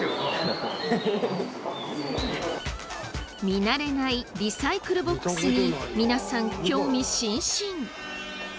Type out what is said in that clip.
見慣れないリサイクルボックスに皆さん興味津々！